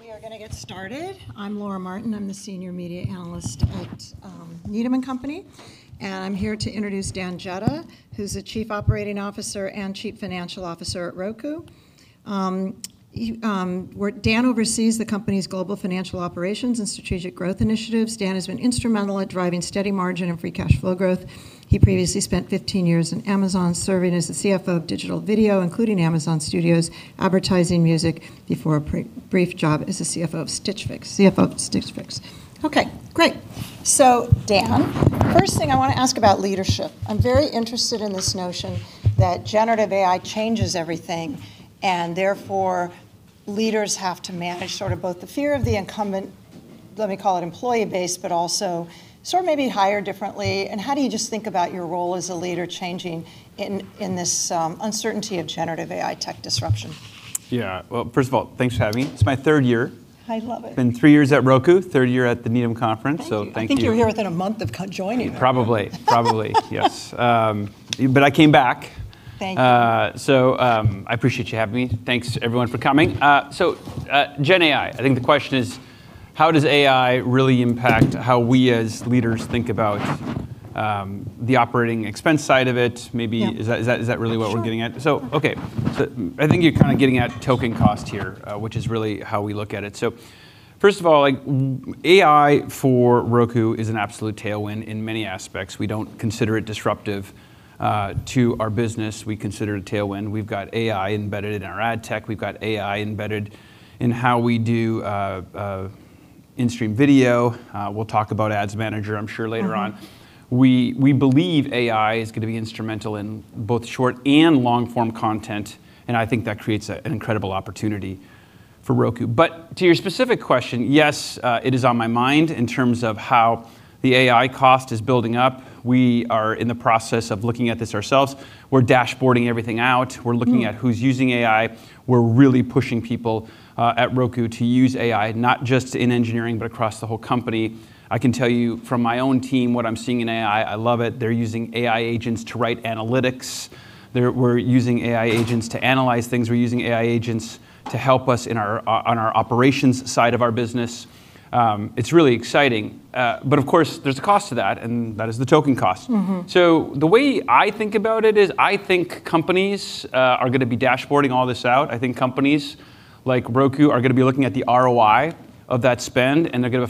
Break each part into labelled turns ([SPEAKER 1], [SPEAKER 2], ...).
[SPEAKER 1] We are gonna get started. I'm Laura Martin. I'm the Senior Media Analyst at Needham & Company, and I'm here to introduce Dan Jedda, who's the Chief Operating Officer and Chief Financial Officer at Roku. Where Dan oversees the company's global financial operations and strategic growth initiatives. Dan has been instrumental at driving steady margin and free cash flow growth. He previously spent 15 years in Amazon serving as the CFO of digital video, including Amazon Studios, advertising music, before a brief job as a CFO of Stitch Fix. Okay, great. Dan, first thing I wanna ask about leadership. I'm very interested in this notion that Generative AI changes everything, and therefore, leaders have to manage sort of both the fear of the incumbent, let me call it employee base, but also sort of maybe hire differently, and how do you just think about your role as a leader changing in this uncertainty of Generative AI tech disruption?
[SPEAKER 2] Yeah. Well, first of all, thanks for having me. It's my third year.
[SPEAKER 1] I love it.
[SPEAKER 2] Been three years at Roku, third year at the Needham Conference. Thank you.
[SPEAKER 1] I think you were here within a month of joining.
[SPEAKER 2] Probably. Probably. Yes. I came back.
[SPEAKER 1] Thank you.
[SPEAKER 2] I appreciate you having me. Thanks everyone for coming. Gen AI. I think the question is how does AI really impact how we as leaders think about the operating expense side of it.
[SPEAKER 1] Yeah.
[SPEAKER 2] Is that really what we're getting at?
[SPEAKER 1] Sure.
[SPEAKER 2] Okay. I think you're kinda getting at token cost here, which is really how we look at it. First of all, like, AI for Roku is an absolute tailwind in many aspects. We don't consider it disruptive to our business. We consider it a tailwind. We've got AI embedded in our ad tech. We've got AI embedded in how we do in-stream video. We'll talk about Ads Manager, I'm sure, later on. We believe AI is gonna be instrumental in both short and long form content, and I think that creates an incredible opportunity for Roku. To your specific question, yes, it is on my mind in terms of how the AI cost is building up. We are in the process of looking at this ourselves. We're dashboarding everything out. Who's using AI. We're really pushing people at Roku to use AI, not just in engineering, but across the whole company. I can tell you from my own team what I'm seeing in AI. I love it. They're using AI agents to write analytics. We're using AI agents to analyze things. We're using AI agents to help us in our operations side of our business. It's really exciting. Of course, there's a cost to that, and that is the token cost. The way I think about it is I think companies are gonna be dashboarding all this out. I think companies like Roku are gonna be looking at the ROI of that spend, and they're gonna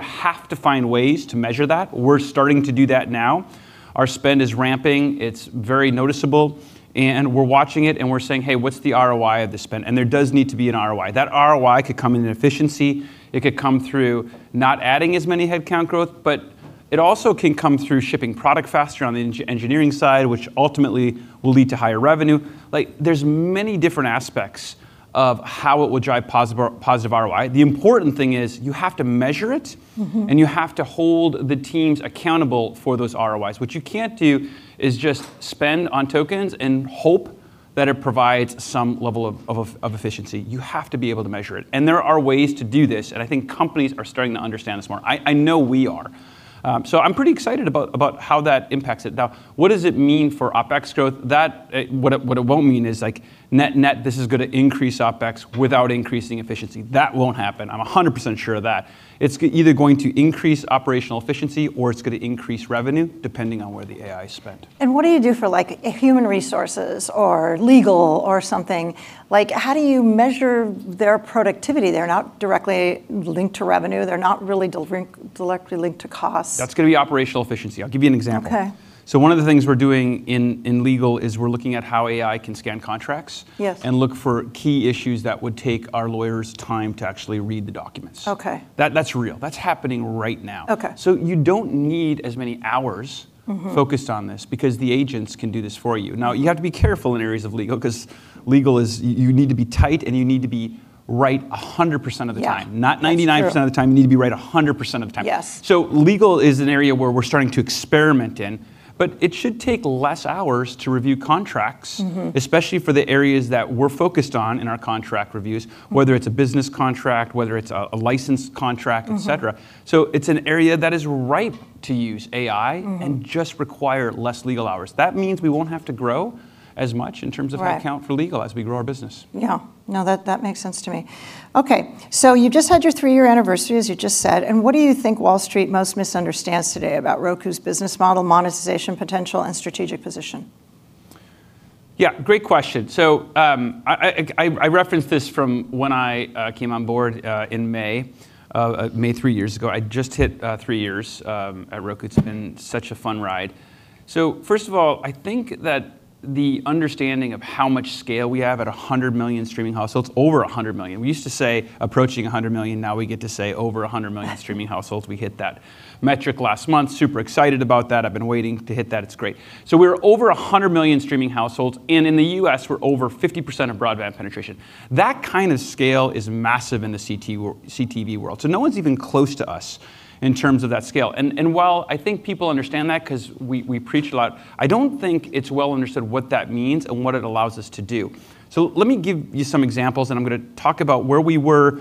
[SPEAKER 2] have to find ways to measure that. We're starting to do that now. Our spend is ramping. It's very noticeable, and we're watching it, and we're saying, "Hey, what's the ROI of the spend?" There does need to be an ROI. That ROI could come in efficiency. It could come through not adding as many headcount growth, but it also can come through shipping product faster on the engineering side, which ultimately will lead to higher revenue. Like there's many different aspects of how it would drive positive ROI. The important thing is you have to measure it. You have to hold the teams accountable for those ROIs. What you can't do is just spend on tokens and hope that it provides some level of efficiency. You have to be able to measure it, and there are ways to do this, and I think companies are starting to understand this more. I know we are. I'm pretty excited about how that impacts it. Now, what does it mean for OpEx growth? That, what it won't mean is like net, this is gonna increase OpEx without increasing efficiency. That won't happen. I'm 100% sure of that. It's either going to increase operational efficiency or it's gonna increase revenue depending on where the AI is spent.
[SPEAKER 1] What do you do for human resources or legal or something? How do you measure their productivity? They're not directly linked to revenue. They're not really directly linked to costs.
[SPEAKER 2] That's gonna be operational efficiency. I'll give you an example.
[SPEAKER 1] Okay.
[SPEAKER 2] One of the things we're doing in legal is we're looking at how AI can scan contracts.
[SPEAKER 1] Yes.
[SPEAKER 2] Look for key issues that would take our lawyers time to actually read the documents.
[SPEAKER 1] Okay.
[SPEAKER 2] That's real. That's happening right now.
[SPEAKER 1] Okay.
[SPEAKER 2] You don't need as many hours. Focused on this because the agents can do this for you. Now, you have to be careful in areas of legal 'cause legal is you need to be tight, and you need to be right 100% of the time.
[SPEAKER 1] Yeah.
[SPEAKER 2] Not 99% of the time.
[SPEAKER 1] That's true.
[SPEAKER 2] You need to be right 100% of the time.
[SPEAKER 1] Yes.
[SPEAKER 2] Legal is an area where we're starting to experiment in, but it should take less hours to review contracts. Especially for the areas that we're focused on in our contract reviews, whether it's a business contract, whether it's a licensed contract, et cetera. It's an area that is ripe to use AI. Just require less legal hours. That means we won't have to grow as much in terms of headcount for legal as we grow our business.
[SPEAKER 1] Right. Yeah. No, that makes sense to me. You just had your three-year anniversary, as you just said. What do you think Wall Street most misunderstands today about Roku's business model, monetization potential, and strategic position?
[SPEAKER 2] Yeah, great question. I referenced this from when I came on board in May, three years ago. I just hit three years at Roku. It's been such a fun ride. First of all, I think that the understanding of how much scale we have at 100 million streaming households, over 100 million. We used to say approaching 100 million. Now we get to say over 100 million streaming households. We hit that metric last month. Super excited about that. I've been waiting to hit that. It's great. We're over 100 million streaming households, and in the U.S. we're over 50% of broadband penetration. That kind of scale is massive in the CTV world. No one's even close to us in terms of that scale. While I think people understand that 'cause we preach a lot, I don't think it's well understood what that means and what it allows us to do. Let me give you some examples, and I'm gonna talk about where we were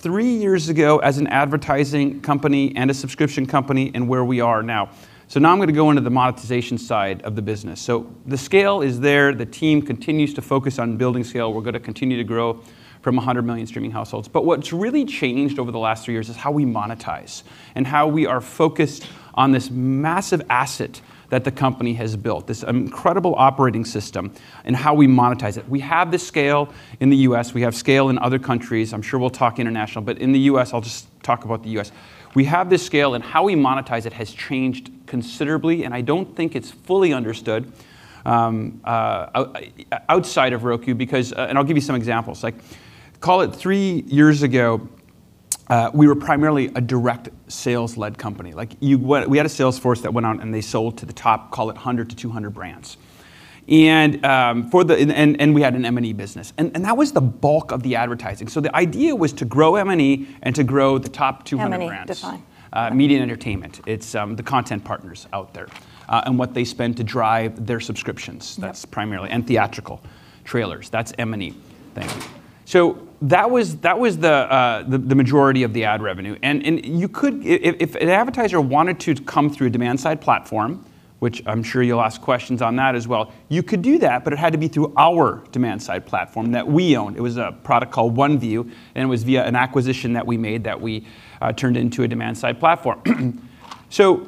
[SPEAKER 2] three years ago as an advertising company and a subscription company and where we are now. Now I'm going to go into the monetization side of the business. The scale is there. The team continues to focus on building scale. We're going to continue to grow from 100 million streaming households. What's really changed over the last three years is how we monetize and how we are focused on this massive asset that the company has built, this incredible operating system and how we monetize it. We have the scale in the U.S. We have scale in other countries. I'm sure we'll talk international. In the U.S. I'll just talk about the U.S. We have this scale and how we monetize it has changed considerably and I don't think it's fully understood outside of Roku because I'll give you some examples. Like call it three years ago, we were primarily a direct sales led company. Like we had a sales force that went out and they sold to the top, call it 100 to 200 brands. We had an M&E business. That was the bulk of the advertising. The idea was to grow M&E and to grow the top 200 brands.
[SPEAKER 1] M&E define.
[SPEAKER 2] Media and entertainment, it's the content partners out there, and what they spend to drive their subscriptions.
[SPEAKER 1] Yeah.
[SPEAKER 2] That's primarily theatrical trailers. That's M&E. Thank you. That was the majority of the ad revenue. You could if an advertiser wanted to come through a demand side platform, which I'm sure you'll ask questions on that as well, you could do that, but it had to be through our demand side platform that we owned. It was a product called OneView, and it was via an acquisition that we made that we turned into a demand side platform.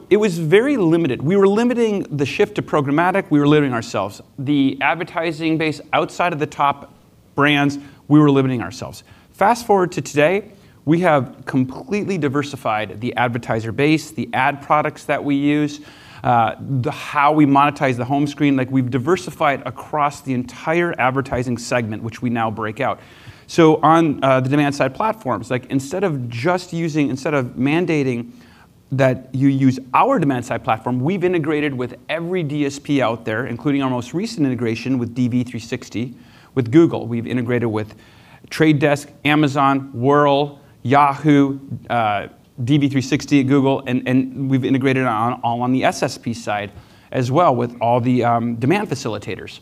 [SPEAKER 2] It was very limited. We were limiting the shift to programmatic. We were limiting ourselves. The advertising base outside of the top brands, we were limiting ourselves. Fast-forward to today, we have completely diversified the advertiser base, the ad products that we use, the how we monetize the home screen. Like we've diversified across the entire advertising segment, which we now break out. On the demand side platforms, like instead of mandating that you use our demand side platform, we've integrated with every DSP out there, including our most recent integration with DV360, with Google. We've integrated with The Trade Desk, Amazon, Wurl, Yahoo, DV360, Google and we've integrated on all on the SSP side as well with all the demand facilitators.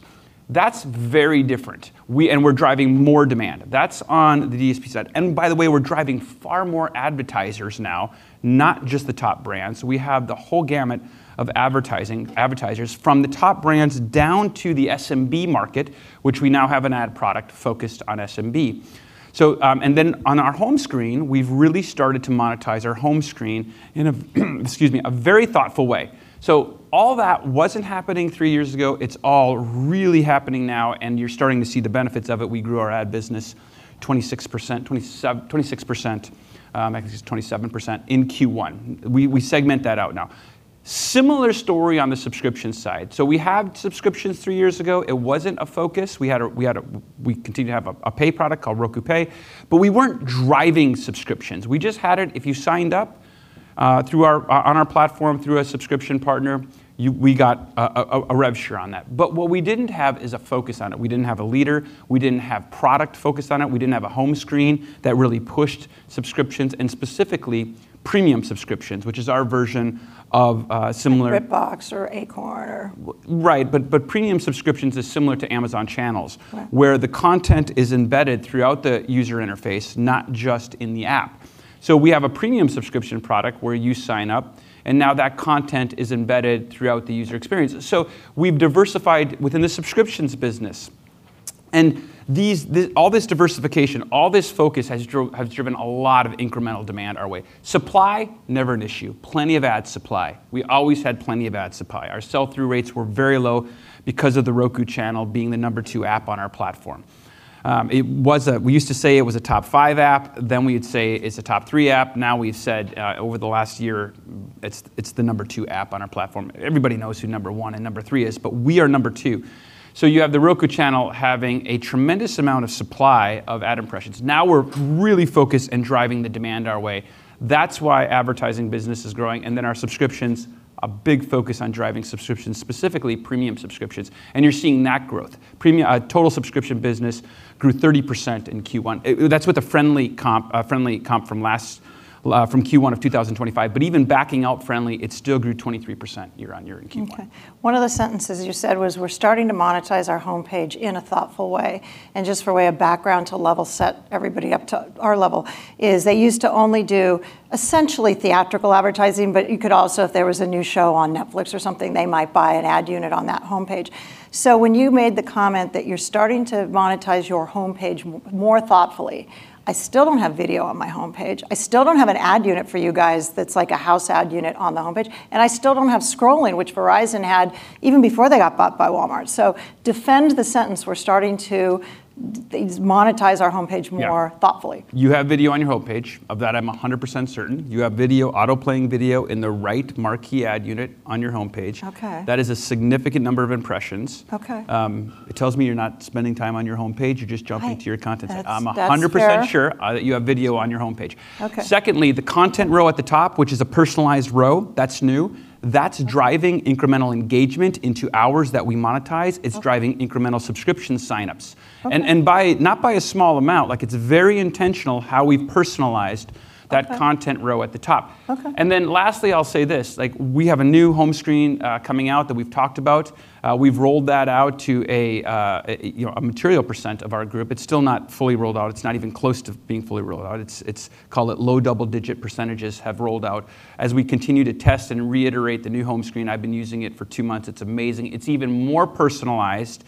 [SPEAKER 2] That's very different. We're driving more demand. That's on the DSP side. By the way, we're driving far more advertisers now, not just the top brands. We have the whole gamut of advertising, advertisers from the top brands down to the SMB market, which we now have an ad product focused on SMB. On our home screen, we've really started to monetize our home screen in a very thoughtful way. All that wasn't happening three years ago. It's all really happening now and you're starting to see the benefits of it. We grew our ad business 26%, actually it's 27% in Q1. We segment that out now. Similar story on the subscription side. We had subscriptions three years ago. It wasn't a focus. We continue to have a pay product called Roku Pay, but we weren't driving subscriptions. We just had it. If you signed up through our on our platform through a subscription partner, we got a rev share on that. What we didn't have is a focus on it. We didn't have a leader. We didn't have product focus on it. We didn't have a home screen that really pushed subscriptions and specifically premium subscriptions, which is our version of a similar-
[SPEAKER 1] Like BritBox or Acorn.
[SPEAKER 2] Right. But premium subscriptions is similar to Amazon Channels.
[SPEAKER 1] Right.
[SPEAKER 2] Where the content is embedded throughout the user interface, not just in the app. We have a premium subscription product where you sign up and now that content is embedded throughout the user experience. These, the all this diversification, all this focus has driven a lot of incremental demand our way. Supply, never an issue. Plenty of ad supply. We always had plenty of ad supply. Our sell-through rates were very low because of The Roku Channel being the number two app on our platform. We used to say it was a top five app, then we'd say it's a top three app. We've said over the last year it's the number two app on our platform. Everybody knows who number one and number three is, but we are number two. You have The Roku Channel having a tremendous amount of supply of ad impressions. Now we're really focused in driving the demand our way. That's why advertising business is growing. Our subscriptions, a big focus on driving subscriptions, specifically premium subscriptions, and you're seeing that growth. Total subscription business grew 30% in Q1. That's with a friendly comp, a friendly comp from last, from Q1 of 2025. Even backing out friendly, it still grew 23% year-on-year in Q1.
[SPEAKER 1] Okay. One of the sentences you said was, "We're starting to monetize our homepage in a thoughtful way." Just for way of background to level set everybody up to our level is they used to only do essentially theatrical advertising, but you could also, if there was a new show on Netflix or something, they might buy an ad unit on that homepage. When you made the comment that you're starting to monetize your homepage more thoughtfully, I still don't have video on my homepage. I still don't have an ad unit for you guys that's like a house ad unit on the homepage, and I still don't have scrolling, which Verizon had even before they got bought by Walmart. Defend the sentence, we're starting to monetize our homepage more.
[SPEAKER 2] Yeah.
[SPEAKER 1] Thoughtfully.
[SPEAKER 2] You have video on your homepage. Of that I'm 100% certain. You have video, auto-playing video in the right marquee ad unit on your homepage.
[SPEAKER 1] Okay.
[SPEAKER 2] That is a significant number of impressions.
[SPEAKER 1] Okay.
[SPEAKER 2] It tells me you're not spending time on your homepage. You're just jumping to your content.
[SPEAKER 1] Right. That's fair.
[SPEAKER 2] I'm 100% sure, that you have video on your homepage.
[SPEAKER 1] Okay.
[SPEAKER 2] The content row at the top, which is a personalized row, that's new. That's driving incremental engagement into hours that we monetize.
[SPEAKER 1] Okay.
[SPEAKER 2] It's driving incremental subscription signups.
[SPEAKER 1] Okay.
[SPEAKER 2] By not by a small amount. Like, it's very intentional how we've personalized that.
[SPEAKER 1] Okay.
[SPEAKER 2] Content row at the top.
[SPEAKER 1] Okay.
[SPEAKER 2] Lastly, I'll say this, like, we have a new home screen coming out that we've talked about. We've rolled that out to a, you know, a material percent of our group. It's still not fully rolled out. It's not even close to being fully rolled out. It's call it low double-digit percentage have rolled out. As we continue to test and reiterate the new home screen, I've been using it for two months, it's amazing. It's even more personalized.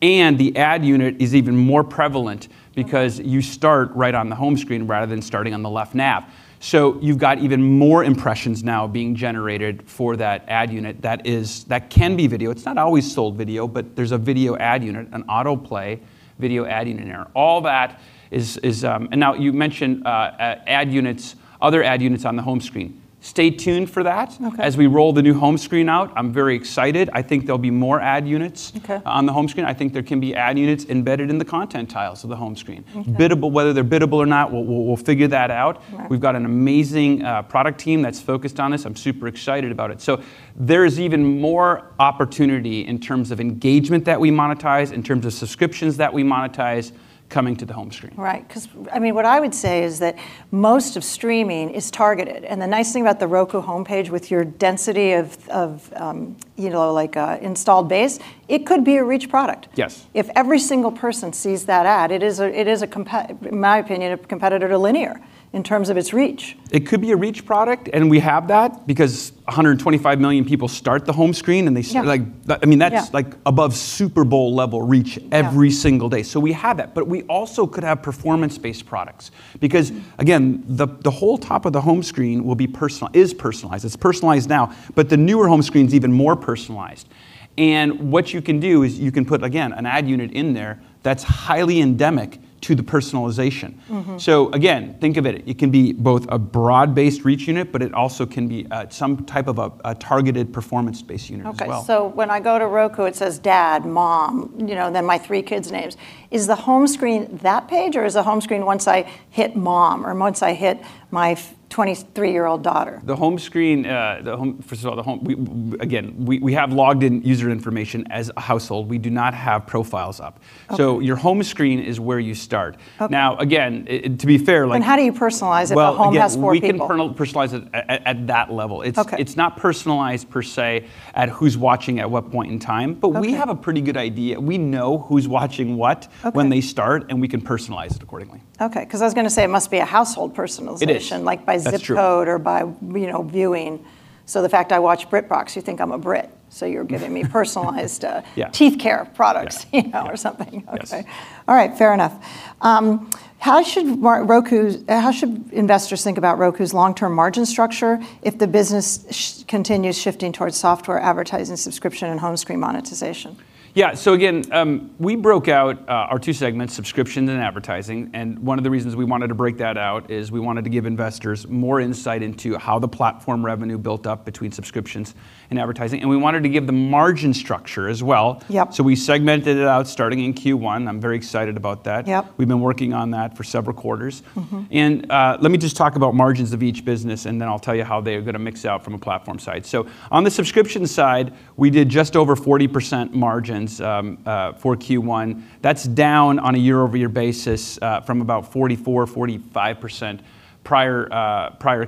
[SPEAKER 2] The ad unit is even more prevalent because you start right on the home screen rather than starting on the left nav. You've got even more impressions now being generated for that ad unit that can be video. It's not always sold video, but there's a video ad unit, an auto-play video ad unit there. All that is, and now you mentioned ad units, other ad units on the home screen. Stay tuned for that.
[SPEAKER 1] Okay.
[SPEAKER 2] As we roll the new home screen out. I'm very excited. I think there'll be more ad units.
[SPEAKER 1] Okay.
[SPEAKER 2] On the home screen. I think there can be ad units embedded in the content tiles of the home screen.
[SPEAKER 1] Okay.
[SPEAKER 2] Biddable, whether they're biddable or not, we'll figure that out.
[SPEAKER 1] Right.
[SPEAKER 2] We've got an amazing product team that's focused on this. I'm super excited about it. There is even more opportunity in terms of engagement that we monetize, in terms of subscriptions that we monetize coming to the home screen.
[SPEAKER 1] Right. 'Cause, I mean, what I would say is that most of streaming is targeted, and the nice thing about the Roku homepage with your density of, you know, like, installed base, it could be a reach product.
[SPEAKER 2] Yes.
[SPEAKER 1] If every single person sees that ad, it is a in my opinion, a competitor to linear in terms of its reach.
[SPEAKER 2] It could be a reach product, and we have that because 125 million people start the home screen.
[SPEAKER 1] Yeah.
[SPEAKER 2] Like, that, I mean.
[SPEAKER 1] Yeah.
[SPEAKER 2] Like above Super Bowl level reach.
[SPEAKER 1] Yeah.
[SPEAKER 2] Every single day. We have that. We also could have performance-based products because again, the whole top of the home screen is personalized. It's personalized now, but the newer home screen's even more personalized. What you can do is you can put, again, an ad unit in there that's highly endemic to the personalization. Again, think of it can be both a broad-based reach unit, but it also can be, some type of a targeted performance-based unit as well.
[SPEAKER 1] Okay. When I go to Roku, it says, "Dad, Mom," you know, then my three kids' names. Is the home screen that page, or is the home screen once I hit Mom or once I hit my 23-year-old daughter?
[SPEAKER 2] The home screen, first of all, the home, we, again, we have logged in user information as a household. We do not have profiles up.
[SPEAKER 1] Okay.
[SPEAKER 2] Your home screen is where you start.
[SPEAKER 1] Okay.
[SPEAKER 2] Now again, it to be fair.
[SPEAKER 1] How do you personalize if the home has four people?
[SPEAKER 2] Well, again, we can personalize it at that level.
[SPEAKER 1] Okay.
[SPEAKER 2] It's not personalized per se at who's watching at what point in time.
[SPEAKER 1] Okay.
[SPEAKER 2] We have a pretty good idea. We know who's watching what.
[SPEAKER 1] Okay.
[SPEAKER 2] When they start, and we can personalize it accordingly.
[SPEAKER 1] Okay. 'Cause I was gonna say it must be a household personalization.
[SPEAKER 2] It is.
[SPEAKER 1] Like by zip code.
[SPEAKER 2] That's true.
[SPEAKER 1] By, you know, viewing. The fact I watch BritBox, you think I'm a Brit, so you're giving me personalized.
[SPEAKER 2] Yeah.
[SPEAKER 1] Teeth care products.
[SPEAKER 2] Yeah.
[SPEAKER 1] You know, something.
[SPEAKER 2] Yes.
[SPEAKER 1] Okay. All right. Fair enough. How should investors think about Roku's long-term margin structure if the business continues shifting towards software advertising, subscription, and home screen monetization?
[SPEAKER 2] Yeah. Again, we broke out our two segments, subscription and advertising, and one of the reasons we wanted to break that out is we wanted to give investors more insight into how the platform revenue built up between subscriptions and advertising, and we wanted to give the margin structure as well.
[SPEAKER 1] Yep.
[SPEAKER 2] We segmented it out starting in Q1. I'm very excited about that.
[SPEAKER 1] Yep.
[SPEAKER 2] We've been working on that for several quarters. Let me just talk about margins of each business, and then I'll tell you how they are gonna mix out from a platform side. On the subscription side, we did just over 40% margins for Q1. That's down on a year-over-year basis from about 44%-45% prior to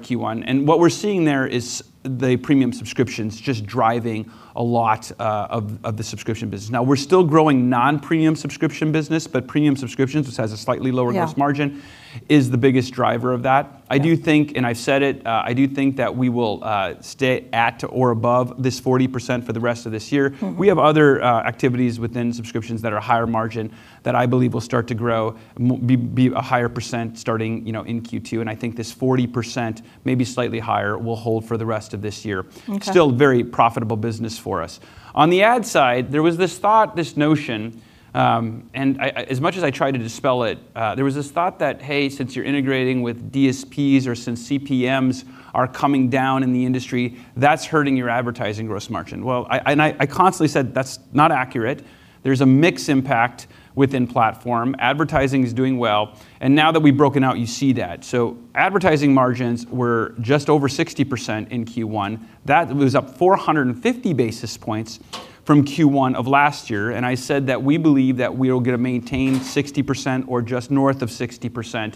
[SPEAKER 2] Q1. What we're seeing there is the premium subscriptions just driving a lot of the subscription business. We're still growing non-premium subscription business, but premium subscriptions, which has a slightly lower gross margin-
[SPEAKER 1] Yeah.
[SPEAKER 2] Is the biggest driver of that.
[SPEAKER 1] Yeah.
[SPEAKER 2] I do think, and I've said it, I do think that we will stay at or above this 40% for the rest of this year. We have other activities within subscriptions that are higher margin that I believe will start to grow be a higher percent starting, you know, in Q2. I think this 40%, maybe slightly higher, will hold for the rest of this year.
[SPEAKER 1] Okay.
[SPEAKER 2] Still very profitable business for us. On the ad side, there was this thought, this notion, and I, as much as I try to dispel it, there was this thought that, hey, since you're integrating with DSPs or since CPMs are coming down in the industry, that's hurting your advertising gross margin. I constantly said that's not accurate. There's a mix impact within platform. Advertising is doing well, and now that we've broken out, you see that. Advertising margins were just over 60% in Q1. That was up 450 basis points from Q1 of last year. I said that we believe that we'll get to maintain 60% or just north of 60%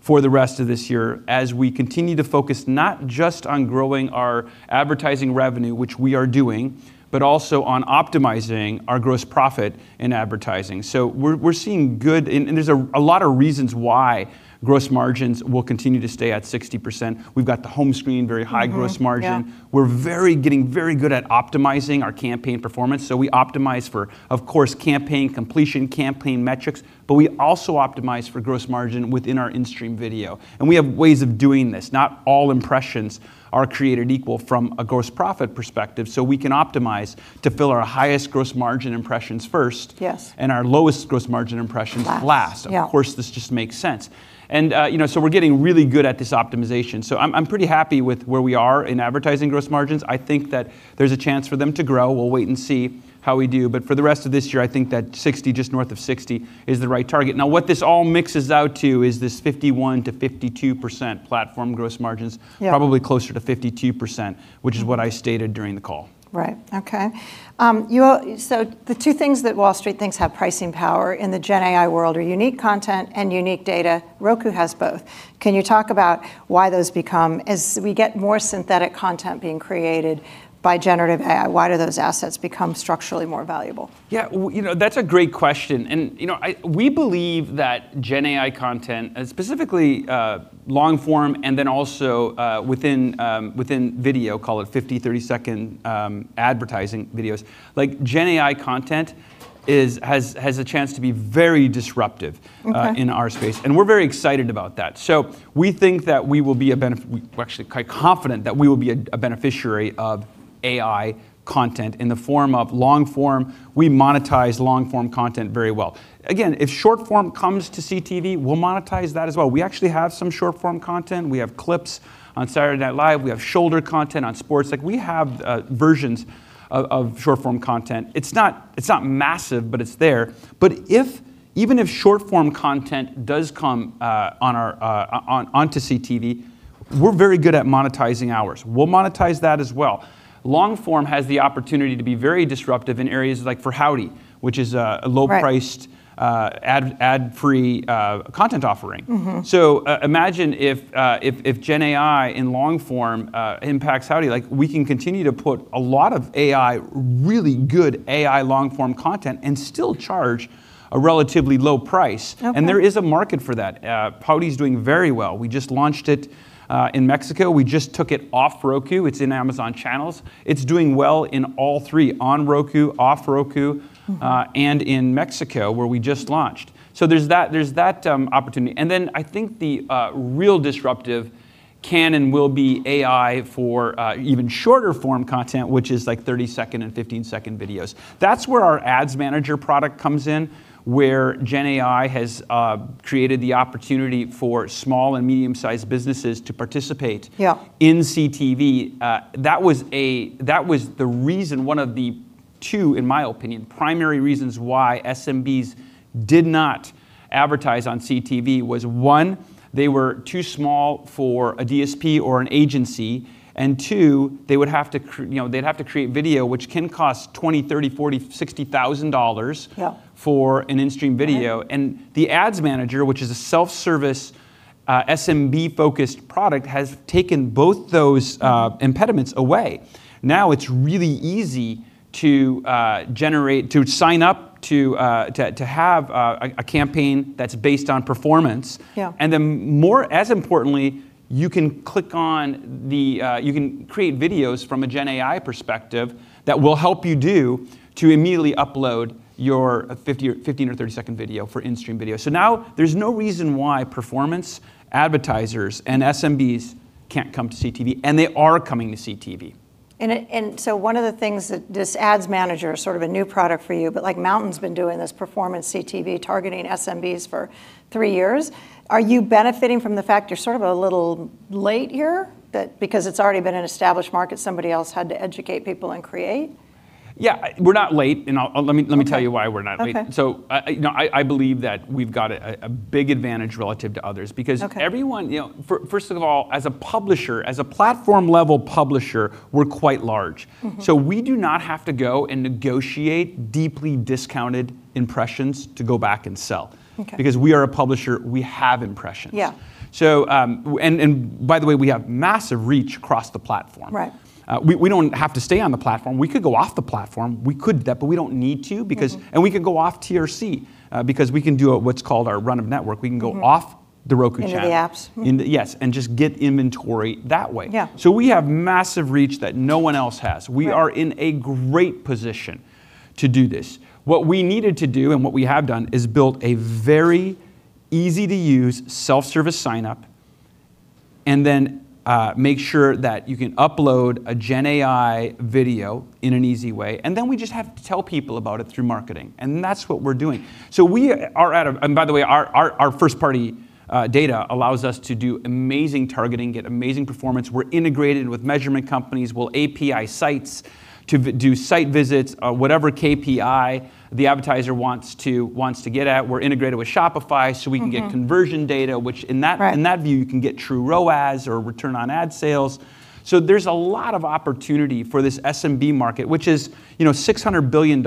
[SPEAKER 2] for the rest of this year as we continue to focus not just on growing our advertising revenue, which we are doing, but also on optimizing our gross profit in advertising. We're seeing good and there's a lot of reasons why gross margins will continue to stay at 60%. We've got the home screen, very high gross margin.
[SPEAKER 1] Yeah.
[SPEAKER 2] We're getting very good at optimizing our campaign performance. We optimize for, of course, campaign completion, campaign metrics, but we also optimize for gross margin within our in-stream video, and we have ways of doing this. Not all impressions are created equal from a gross profit perspective. We can optimize to fill our highest gross margin impressions first.
[SPEAKER 1] Yes.
[SPEAKER 2] Our lowest gross margin impressions.
[SPEAKER 1] Last.
[SPEAKER 2] Last.
[SPEAKER 1] Yeah.
[SPEAKER 2] Of course, this just makes sense. You know, we're getting really good at this optimization. I'm pretty happy with where we are in advertising gross margins. I think that there's a chance for them to grow. We'll wait and see how we do. For the rest of this year, I think that 60%, just north of 60% is the right target. Now, what this all mixes out to is this 51%-52% platform gross margins.
[SPEAKER 1] Yeah.
[SPEAKER 2] Probably closer to 52%, which is what I stated during the call.
[SPEAKER 1] Right. Okay. You know, the two things that Wall Street thinks have pricing power in the Gen AI world are unique content and unique data. Roku has both. Can you talk about, as we get more synthetic content being created by Generative AI, why do those assets become structurally more valuable?
[SPEAKER 2] Yeah. Well, you know, that's a great question. You know, we believe that Gen AI content and specifically, long form and then also, within video, call it 50, 30-second advertising videos. Like Generative AI content has a chance to be very disruptive.
[SPEAKER 1] Okay.
[SPEAKER 2] In our space. We're very excited about that. We think that we will be a beneficiary of AI content in the form of long form. We monetize long form content very well. Again, if short form comes to CTV, we'll monetize that as well. We actually have some short form content. We have clips on Saturday Night Live. We have shoulder content on sports. Like we have versions of short form content. It's not massive, but it's there. If, even if short form content does come onto CTV, we're very good at monetizing ours. We'll monetize that as well. Long form has the opportunity to be very disruptive in areas like for Howdy, which is a low-priced-
[SPEAKER 1] Right.
[SPEAKER 2] Ad-free content offering. Imagine if Gen AI in long form impacts Howdy, like we can continue to put a lot of AI, really good AI long form content and still charge a relatively low price.
[SPEAKER 1] Okay.
[SPEAKER 2] There is a market for that. Howdy's doing very well. We just launched it in Mexico. We just took it off Roku. It's in Amazon Channels. It's doing well in all three, on Roku, off Roku. In Mexico, where we just launched. There's that opportunity. I think the real disruptive can and will be AI for even shorter form content, which is like 30-second and 15-second videos. That's where our Ads Manager product comes in, where Gen AI has created the opportunity for small and medium-sized businesses to participate.
[SPEAKER 1] Yeah.
[SPEAKER 2] In CTV. That was the reason, one of the two, in my opinion, primary reasons why SMBs did not advertise on CTV was one, they were too small for a DSP or an agency, and two, they would have to create video, which can cost $20,000, $30,000, $40,000, $60,000-
[SPEAKER 1] Yeah.
[SPEAKER 2] For an in-stream video.
[SPEAKER 1] Right.
[SPEAKER 2] The Ads Manager, which is a self-service, SMB-focused product, has taken both those impediments away. Now it's really easy to generate, to sign up to have a campaign that's based on performance.
[SPEAKER 1] Yeah.
[SPEAKER 2] More, as importantly, you can create videos from a Generative AI perspective that will help you immediately upload your 50 or 15 or 30-second video for in-stream video. Now there's no reason why performance advertisers and SMBs can't come to CTV, and they are coming to CTV.
[SPEAKER 1] One of the things that this Ads Manager is sort of a new product for you, but MNTN's been doing this performance CTV targeting SMBs for three years. Are you benefiting from the fact you're sort of a little late here that because it's already been an established market somebody else had to educate people and create?
[SPEAKER 2] Yeah. We're not late. I'll let me tell you why we're not late.
[SPEAKER 1] Okay.
[SPEAKER 2] You know, I believe that we've got a big advantage relative to others because.
[SPEAKER 1] Okay.
[SPEAKER 2] Everyone, you know first of all, as a publisher, as a platform.
[SPEAKER 1] Yeah.
[SPEAKER 2] Level publisher, we're quite large. We do not have to go and negotiate deeply discounted impressions to go back and sell.
[SPEAKER 1] Okay.
[SPEAKER 2] Because we are a publisher, we have impressions.
[SPEAKER 1] Yeah.
[SPEAKER 2] By the way, we have massive reach across the platform.
[SPEAKER 1] Right.
[SPEAKER 2] We don't have to stay on the platform. We could go off the platform. We could that, but we don't need to because. We can go off TRC, because we can do what's called our run of network. We can go off The Roku Channel.
[SPEAKER 1] Into the apps.
[SPEAKER 2] In the Yes, just get inventory that way.
[SPEAKER 1] Yeah.
[SPEAKER 2] We have massive reach that no one else has.
[SPEAKER 1] Right.
[SPEAKER 2] We are in a great position to do this. What we needed to do, and what we have done, is built a very easy-to-use self-service sign up, and then, make sure that you can upload a Generative AI video in an easy way, and then we just have to tell people about it through marketing, and that's what we're doing. By the way, our first party data allows us to do amazing targeting, get amazing performance. We're integrated with measurement companies. We'll API sites to do site visits, whatever KPI the advertiser wants to get at. We're integrated with Shopify, so we can get conversion data.
[SPEAKER 1] Right.
[SPEAKER 2] In that view, you can get true ROAS or return on ad sales. There's a lot of opportunity for this SMB market, which is, you know, $600 billion.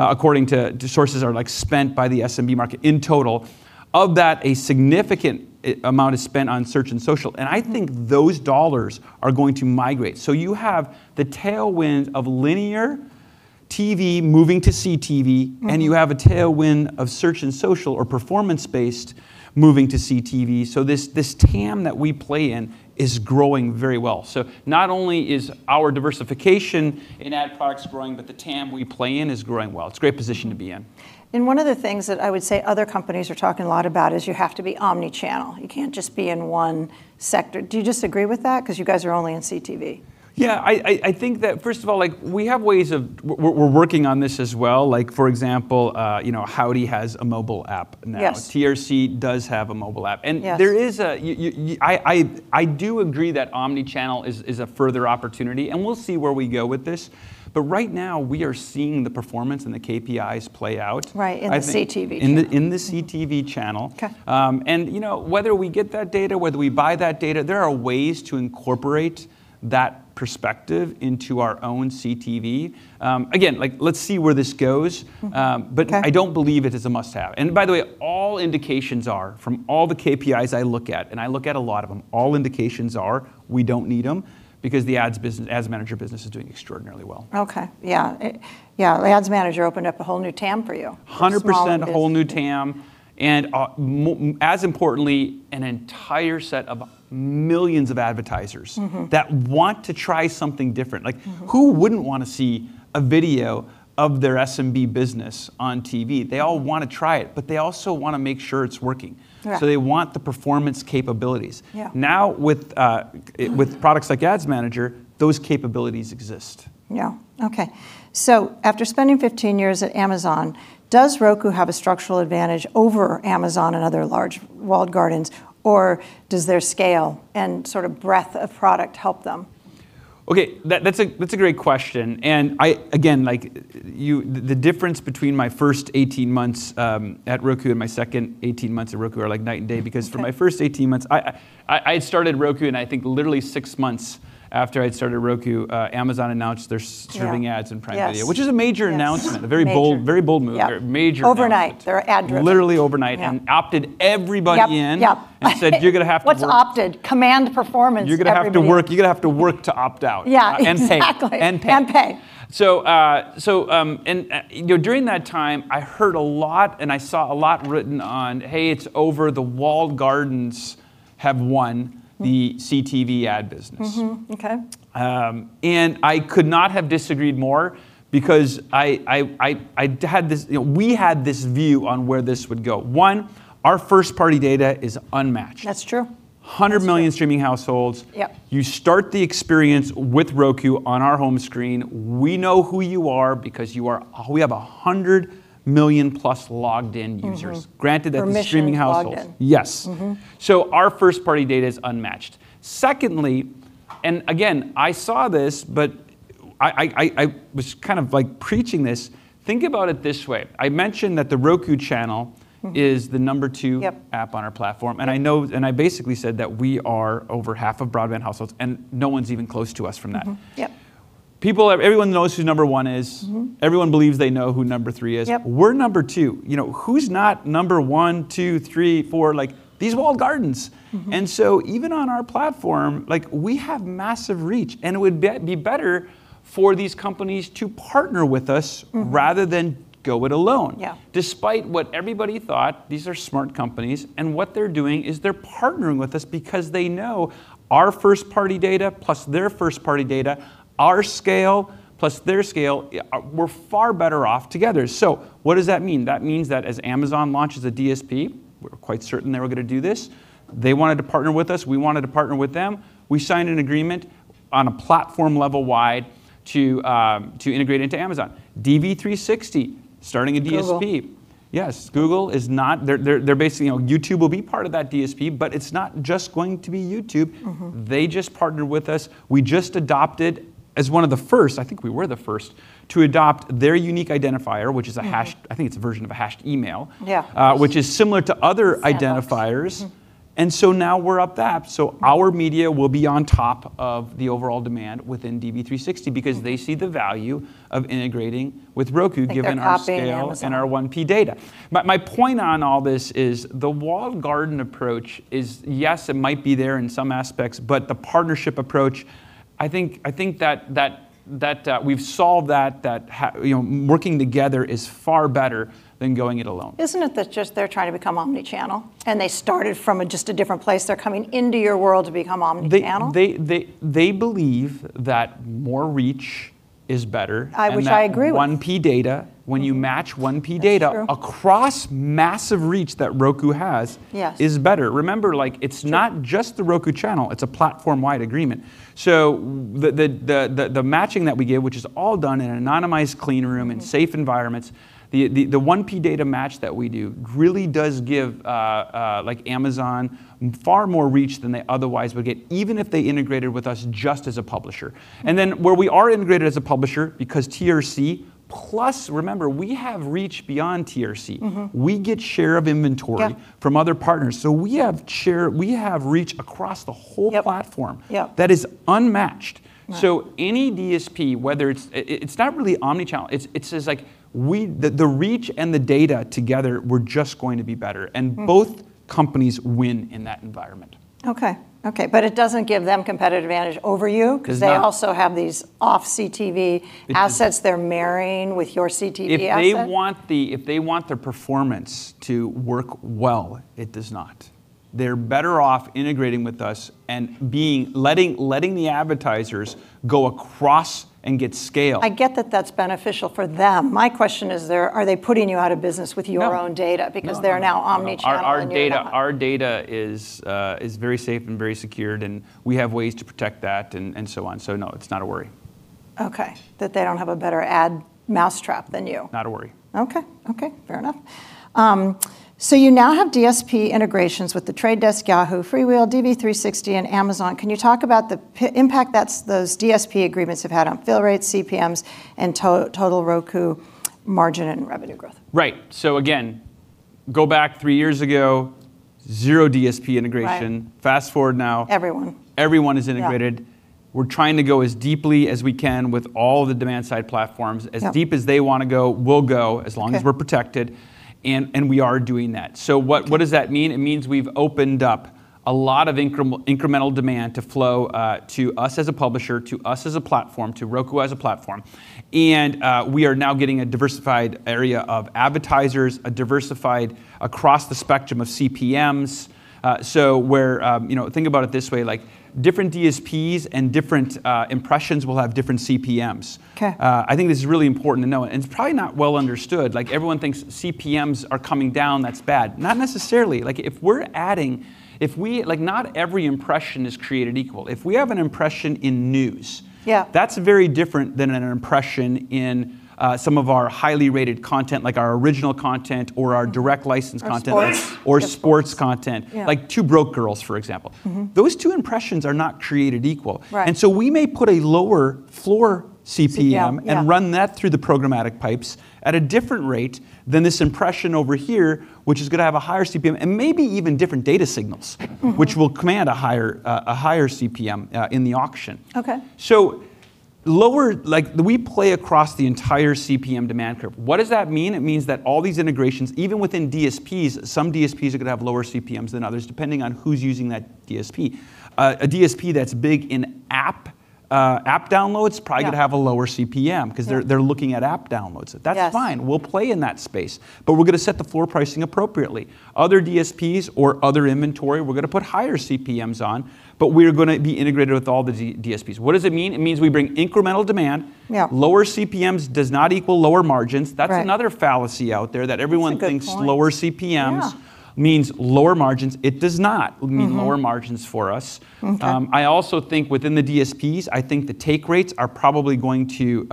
[SPEAKER 2] According to sources are like spent by the SMB market in total. Of that, a significant amount is spent on search and social, and I think those dollars are going to migrate. You have the tailwind of linear TV moving to CTV. You have a tailwind of search and social or performance-based moving to CTV. This TAM that we play in is growing very well. Not only is our diversification in ad products growing, but the TAM we play in is growing well. It's a great position to be in.
[SPEAKER 1] One of the things that I would say other companies are talking a lot about is you have to be omni-channel. You can't just be in one sector. Do you disagree with that because you guys are only in CTV?
[SPEAKER 2] Yeah, I think that first of all, like we have ways of we're working on this as well. Like for example, you know, Howdy has a mobile app now.
[SPEAKER 1] Yes.
[SPEAKER 2] TRC does have a mobile app.
[SPEAKER 1] Yes.
[SPEAKER 2] I do agree that omni-channel is a further opportunity, and we'll see where we go with this. Right now we are seeing the performance and the KPIs play out.
[SPEAKER 1] Right.
[SPEAKER 2] I think-
[SPEAKER 1] In the CTV channel.
[SPEAKER 2] In the CTV channel.
[SPEAKER 1] Okay.
[SPEAKER 2] You know, whether we get that data, whether we buy that data, there are ways to incorporate that perspective into our own CTV. Again, like let's see where this goes.
[SPEAKER 1] Okay.
[SPEAKER 2] I don't believe it is a must-have. By the way, all indications are, from all the KPIs I look at, and I look at a lot of them, all indications are we don't need them because the ads business, Ads Manager business is doing extraordinarily well.
[SPEAKER 1] Okay. Yeah. It, yeah. Ads Manager opened up a whole new TAM for you.
[SPEAKER 2] 100%-
[SPEAKER 1] Small business.
[SPEAKER 2] a whole new TAM, and as importantly, an entire set of millions of advertisers. that want to try something different. Like who wouldn't want to see a video of their SMB business on TV? They all want to try it, but they also want to make sure it's working.
[SPEAKER 1] Right.
[SPEAKER 2] They want the performance capabilities.
[SPEAKER 1] Yeah.
[SPEAKER 2] Now with products like Ads Manager, those capabilities exist.
[SPEAKER 1] Yeah. Okay. After spending 15 years at Amazon, does Roku have a structural advantage over Amazon and other large walled gardens, or does their scale and sort of breadth of product help them?
[SPEAKER 2] Okay, that's a great question. I, again, like you The difference between my first 18 months at Roku and my second 18 months at Roku are like night and day.
[SPEAKER 1] Okay.
[SPEAKER 2] For my first 18 months, I had started Roku. I think literally six months after I'd started Roku.
[SPEAKER 1] Yeah.
[SPEAKER 2] Serving ads in Prime Video.
[SPEAKER 1] Yes.
[SPEAKER 2] Which is a major announcement.
[SPEAKER 1] Yes. Major.
[SPEAKER 2] A very bold, very bold move.
[SPEAKER 1] Yep.
[SPEAKER 2] Very major announcement.
[SPEAKER 1] Overnight. They're ad-driven.
[SPEAKER 2] Literally overnight.
[SPEAKER 1] Yeah.
[SPEAKER 2] Opted everybody in.
[SPEAKER 1] Yep, yep.
[SPEAKER 2] Said, "You're gonna have to work.
[SPEAKER 1] What's opted? Command performance, everybody.
[SPEAKER 2] You're gonna have to work. You're gonna have to work to opt out.
[SPEAKER 1] Yeah.
[SPEAKER 2] Pay.
[SPEAKER 1] Exactly.
[SPEAKER 2] Pay.
[SPEAKER 1] Pay.
[SPEAKER 2] You know, during that time I heard a lot and I saw a lot written on, "Hey, it's over. The walled gardens have won the CTV ad business.
[SPEAKER 1] Okay.
[SPEAKER 2] I could not have disagreed more because I'd had this, you know, we had this view on where this would go. One, our first party data is unmatched.
[SPEAKER 1] That's true.
[SPEAKER 2] 100 million streaming households.
[SPEAKER 1] Yep.
[SPEAKER 2] You start the experience with Roku on our home screen. We know who you are because we have 100 million-plus logged in users. Granted, that's streaming households.
[SPEAKER 1] Permission logged in.
[SPEAKER 2] Yes. Our first party data is unmatched. Secondly, and again, I saw this, but I was kind of like preaching this, think about it this way. I mentioned that The Roku Channel is the number two app on our platform. I know, I basically said that we are over half of broadband households, and no one's even close to us from that.
[SPEAKER 1] Yep.
[SPEAKER 2] People, everyone knows who number one is. Everyone believes they know who number three is.
[SPEAKER 1] Yep.
[SPEAKER 2] We're number two, you know, who's not number one, two, three, four, like these walled gardens. Even on our platform, like we have massive reach, and it would be better for these companies to partner with us rather than go it alone.
[SPEAKER 1] Yeah.
[SPEAKER 2] Despite what everybody thought, these are smart companies, and what they're doing is they're partnering with us because they know our first party data plus their first party data, our scale plus their scale, we're far better off together. What does that mean? That means that as Amazon launches a DSP, we're quite certain they were gonna do this. They wanted to partner with us. We wanted to partner with them. We signed an agreement on a platform level wide to integrate into Amazon. DV360 starting a DSP.
[SPEAKER 1] Google.
[SPEAKER 2] Yes. Google is not They're basically, you know, YouTube will be part of that DSP, but it's not just going to be YouTube. They just partnered with us. We just adopted as one of the first, I think we were the first, to adopt their unique identifier, which is a hashed- I think it's a version of a hashed email.
[SPEAKER 1] Yeah.
[SPEAKER 2] Which is similar to other identifiers.
[SPEAKER 1] Sandbox.
[SPEAKER 2] Now we're up to that. Our media will be on top of the overall demand within DV360 because they see the value of integrating with Roku given our scale.
[SPEAKER 1] Think they're copying Amazon.
[SPEAKER 2] Our 1P data. My point on all this is the walled garden approach is, yes, it might be there in some aspects, but the partnership approach, I think that we've solved that, you know, working together is far better than going it alone.
[SPEAKER 1] Isn't it that just they're trying to become omni-channel, and they started from a, just a different place? They're coming into your world to become omni-channel.
[SPEAKER 2] They believe that more reach is better.
[SPEAKER 1] I wish I agree with.
[SPEAKER 2] That 1P data, when you match 1P data.
[SPEAKER 1] That's true.
[SPEAKER 2] Across massive reach that Roku has.
[SPEAKER 1] Yes
[SPEAKER 2] Is better. Remember, like it's not.
[SPEAKER 1] True
[SPEAKER 2] Just The Roku Channel, it's a platform-wide agreement. The matching that we give, which is all done in an anonymized clean room. In safe environments, the 1P data match that we do really does give, like Amazon far more reach than they otherwise would get, even if they integrated with us just as a publisher. Where we are integrated as a publisher, because TRC, plus remember, we have reach beyond TRC. We get share of inventory.
[SPEAKER 1] Yeah.
[SPEAKER 2] From other partners. We have share, we have reach across the whole platform.
[SPEAKER 1] Yep, yep.
[SPEAKER 2] That is unmatched.
[SPEAKER 1] Right.
[SPEAKER 2] Any DSP, whether it's not really omni-channel, it's just like the reach and the data together, we're just going to be better. Both companies win in that environment.
[SPEAKER 1] Okay. Okay. It doesn't give them competitive advantage over you.
[SPEAKER 2] It does not.
[SPEAKER 1] They also have these off CTV assets they're marrying with your CTV asset.
[SPEAKER 2] If they want their performance to work well, it does not. They're better off integrating with us and letting the advertisers go across and get scale.
[SPEAKER 1] I get that that's beneficial for them. My question is, are they putting you out of business with your own data? They're now omni-channel and you're not.
[SPEAKER 2] Our data is very safe and very secured, and we have ways to protect that and so on. No, it's not a worry.
[SPEAKER 1] Okay. That they don't have a better ad mousetrap than you.
[SPEAKER 2] Not a worry.
[SPEAKER 1] Okay, okay. Fair enough. You now have DSP integrations with The Trade Desk, Yahoo, FreeWheel, DV360, and Amazon. Can you talk about the impact those DSP agreements have had on fill rates, CPMs, and total Roku margin and revenue growth?
[SPEAKER 2] Right. Again, go back three years ago, zero DSP integration.
[SPEAKER 1] Right.
[SPEAKER 2] Fast-forward now.
[SPEAKER 1] Everyone.
[SPEAKER 2] Everyone is integrated.
[SPEAKER 1] Yeah.
[SPEAKER 2] We're trying to go as deeply as we can with all the demand side platforms.
[SPEAKER 1] Yeah.
[SPEAKER 2] As deep as they want to go, we'll go.
[SPEAKER 1] Okay.
[SPEAKER 2] As long as we're protected. We are doing that.
[SPEAKER 1] Okay.
[SPEAKER 2] What does that mean? It means we've opened up a lot of incremental demand to flow to us as a publisher, to us as a platform, to Roku as a platform. We are now getting a diversified area of advertisers, a diversified across the spectrum of CPMs. You know, think about it this way, like different DSPs and different impressions will have different CPMs.
[SPEAKER 1] Okay.
[SPEAKER 2] I think this is really important to know. It's probably not well understood. Like, everyone thinks CPMs are coming down. That's bad. Not necessarily. Like, if we're adding. Not every impression is created equal. If we have an impression in news-
[SPEAKER 1] Yeah.
[SPEAKER 2] That's very different than an impression in some of our highly rated content, like our original content or our direct licensed content.
[SPEAKER 1] Sports.
[SPEAKER 2] Sports content.
[SPEAKER 1] Yeah.
[SPEAKER 2] Like 2 Broke Girls, for example. Those two impressions are not created equal.
[SPEAKER 1] Right.
[SPEAKER 2] We may put a lower floor CPM.
[SPEAKER 1] CPM, yeah.
[SPEAKER 2] Run that through the programmatic pipes at a different rate than this impression over here, which is gonna have a higher CPM, and maybe even different data signals. Which will command a higher CPM in the auction.
[SPEAKER 1] Okay.
[SPEAKER 2] Like, we play across the entire CPM demand curve. What does that mean? It means that all these integrations, even within DSPs, some DSPs are gonna have lower CPMs than others, depending on who's using that DSP. A DSP that's big in app downloads.
[SPEAKER 1] Yeah.
[SPEAKER 2] Probably gonna have a lower CPM.
[SPEAKER 1] Yeah.
[SPEAKER 2] 'cause they're looking at app downloads.
[SPEAKER 1] Yes.
[SPEAKER 2] That's fine. We'll play in that space, but we're gonna set the floor pricing appropriately. Other DSPs or other inventory, we're gonna put higher CPMs on, but we're gonna be integrated with all the DSPs. What does it mean? It means we bring incremental demand.
[SPEAKER 1] Yeah.
[SPEAKER 2] Lower CPMs does not equal lower margins.
[SPEAKER 1] Right.
[SPEAKER 2] That's another fallacy out there, that everyone thinks-
[SPEAKER 1] That's a good point.
[SPEAKER 2] Lower CPMs.
[SPEAKER 1] Yeah.
[SPEAKER 2] Means lower margins. It does not mean lower margins for us.
[SPEAKER 1] Okay.
[SPEAKER 2] I also think within the DSPs, I think the take rates are probably going to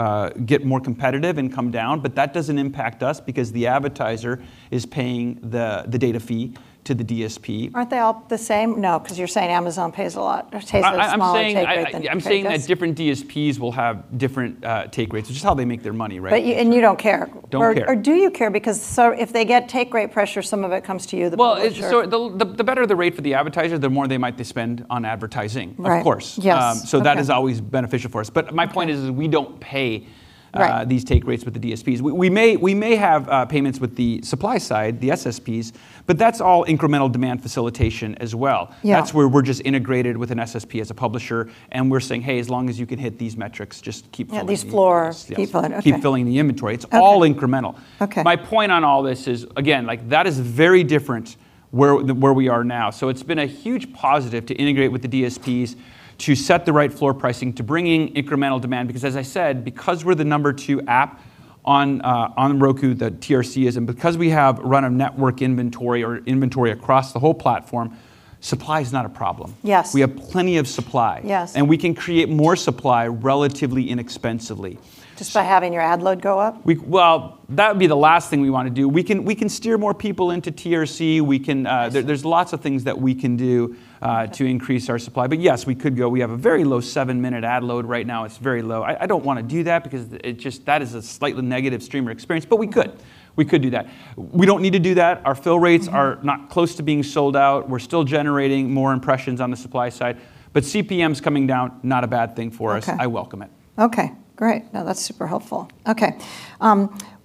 [SPEAKER 2] get more competitive and come down. That doesn't impact us because the advertiser is paying the data fee to the DSP.
[SPEAKER 1] Aren't they all the same? No, 'cause you're saying Amazon pays a lot, or takes a smaller take rate than-
[SPEAKER 2] I'm saying, I.
[SPEAKER 1] Okay, goes-
[SPEAKER 2] I'm saying that different DSPs will have different take rates. It's just how they make their money, right?
[SPEAKER 1] You don't care.
[SPEAKER 2] Don't care.
[SPEAKER 1] Or do you care? If they get take rate pressure, some of it comes to you, the publisher.
[SPEAKER 2] The better the rate for the advertiser, the more they might spend on advertising.
[SPEAKER 1] Right.
[SPEAKER 2] Of course.
[SPEAKER 1] Yes. Okay.
[SPEAKER 2] That is always beneficial for us. My point is.
[SPEAKER 1] Right
[SPEAKER 2] These take rates with the DSPs, we may have payments with the supply side, the SSPs, but that's all incremental demand facilitation as well.
[SPEAKER 1] Yeah.
[SPEAKER 2] That's where we're just integrated with an SSP as a publisher, and we're saying, "Hey, as long as you can hit these metrics, just keep filling.
[SPEAKER 1] Yeah, these floor people.
[SPEAKER 2] Yes.
[SPEAKER 1] Okay.
[SPEAKER 2] Keep filling the inventory.
[SPEAKER 1] Okay.
[SPEAKER 2] It's all incremental.
[SPEAKER 1] Okay.
[SPEAKER 2] My point on all this is, again, like that is very different where we are now. It's been a huge positive to integrate with the DSPs to set the right floor pricing, to bringing incremental demand. As I said, because we're the number two app on Roku, the TRC, and because we have run a network inventory across the whole platform, supply is not a problem.
[SPEAKER 1] Yes.
[SPEAKER 2] We have plenty of supply.
[SPEAKER 1] Yes.
[SPEAKER 2] We can create more supply relatively inexpensively.
[SPEAKER 1] Just by having your ad load go up?
[SPEAKER 2] Well, that would be the last thing we wanna do. We can steer more people into TRC.
[SPEAKER 1] Yes.
[SPEAKER 2] There's lots of things that we can do to increase our supply. Yes, we could go. We have a very low seven-minute ad load right now. It's very low. I don't wanna do that because it just, that is a slightly negative streamer experience, but we could. We could do that. We don't need to do that. Are not close to being sold out. We're still generating more impressions on the supply side. CPMs coming down, not a bad thing for us.
[SPEAKER 1] Okay.
[SPEAKER 2] I welcome it.
[SPEAKER 1] Okay, great. No, that's super helpful. Okay.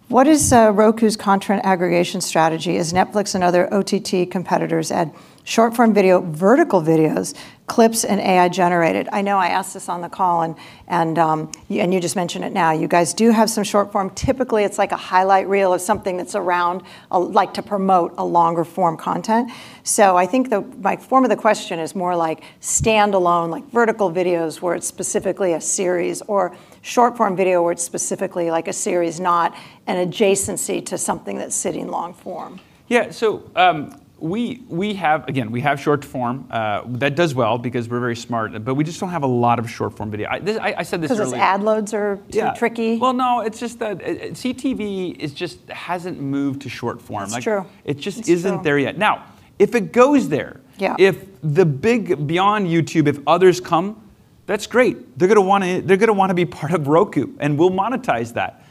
[SPEAKER 1] What is Roku's content aggregation strategy as Netflix and other OTT competitors add short-form video, vertical videos, clips, and AI generated? I know I asked this on the call and you just mentioned it now. You guys do have some short form. Typically, it's like a highlight reel of something that's around like to promote a longer form content. I think the, my form of the question is more like standalone, like vertical videos where it's specifically a series or short form video where it's specifically like a series, not an adjacency to something that's sitting long form.
[SPEAKER 2] Yeah. We have, again, we have short form that does well because we're very smart, but we just don't have a lot of short form video. I said this earlier.
[SPEAKER 1] Cause those ad loads are too tricky?
[SPEAKER 2] Well, no, it's just that CTV is just hasn't moved to short form.
[SPEAKER 1] It's true.
[SPEAKER 2] Like, it just isn't there yet.
[SPEAKER 1] It's true.
[SPEAKER 2] If it goes there.
[SPEAKER 1] Yeah
[SPEAKER 2] If the big, beyond YouTube, if others come, that's great. They're gonna wanna be part of Roku, and we'll monetize that.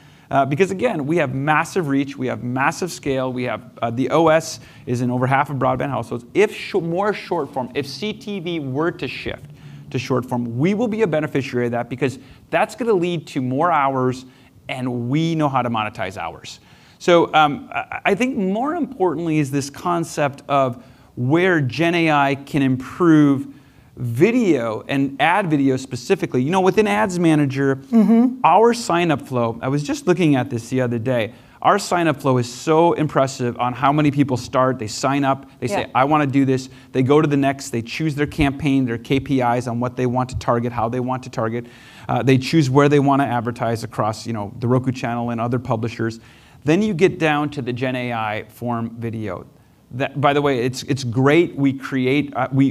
[SPEAKER 2] Because again, we have massive reach, we have massive scale, we have, the OS is in over half of broadband households. If more short form, if CTV were to shift to short form, we will be a beneficiary of that because that's gonna lead to more hours, and we know how to monetize hours. I think more importantly is this concept of where gen AI can improve video and ad video specifically. You know, within Ads Manager. our signup flow, I was just looking at this the other day, our signup flow is so impressive on how many people start. They sign up.
[SPEAKER 1] Yeah.
[SPEAKER 2] They say, "I wanna do this." They go to the next. They choose their campaign, their KPIs on what they want to target, how they want to target. They choose where they wanna advertise across, you know, The Roku Channel and other publishers. You get down to the gen AI form video. That by the way, it's great we create, we